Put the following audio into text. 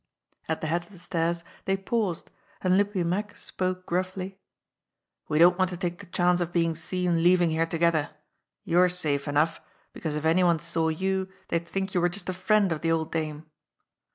At the head of the stairs they paused, and Limpy Mack spoke gruffly: "We don't want to take the chance of being seen leaving here together. You're safe enough, because if any one saw you, they'd think you were just a friend of the old dame.